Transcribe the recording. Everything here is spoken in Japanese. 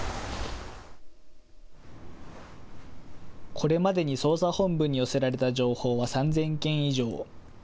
これまでに捜査本部に寄せられた情報は３０００件以上。